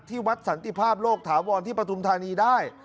วัดสันติภาพโลกถาวรที่ปฐุมธานีได้